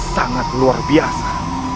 sangat luar biasa